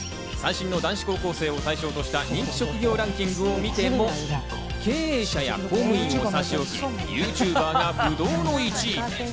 最新の男子高校生を対象とした人気職業ランキングを見ても、経営者や公務員を差し置きＹｏｕＴｕｂｅｒが不動の１位。